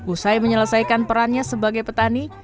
usai menyelesaikan perannya sebagai petani